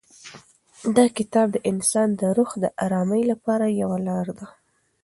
دا کتاب د انسان د روح د ارامۍ لپاره یوه لاره ده.